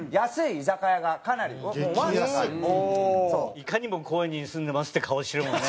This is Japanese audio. いかにも高円寺に住んでますって顔してるもんね